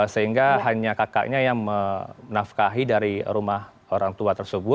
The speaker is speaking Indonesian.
sehingga hanya kakaknya yang menafkahi dari rumah orang tua tersebut